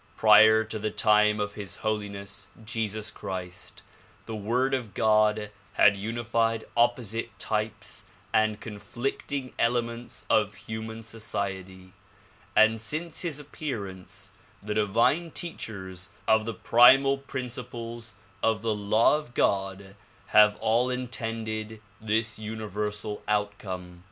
Prior to the time of His Holiness Jesus Christ, the AVord of God had unified opposite types and conflicting elements of human society ; and since his appearance the divine teachers of the primal principles of the law of God have all intended this universal outcome.